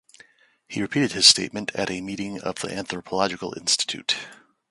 He repeated his statement at a meeting of the Anthropological Institute.